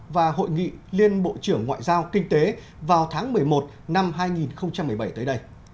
và hội nghị liên bộ trưởng ngoại giao kinh tế vào tháng một mươi một năm hai nghìn một mươi bảy tới đây